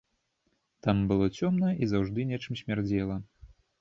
Там было цёмна і заўжды нечым смярдзела.